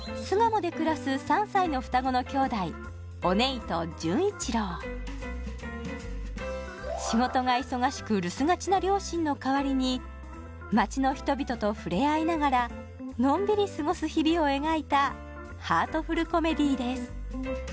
巣鴨で暮らす３歳の双子の姉弟おねいと純一郎仕事が忙しく留守がちな両親のかわりに街の人々と触れ合いながらのんびり過ごす日々を描いたハートフルコメディーです